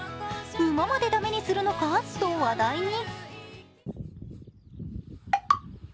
馬までダメにするのかと話題に。